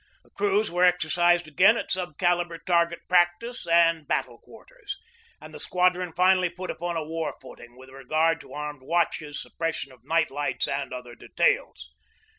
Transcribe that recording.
The crews were exercised again at sub calibre target practice and battle quarters, and the squadron finally put upon a war footing with regard to armed watches, suppression of night lights, and other details.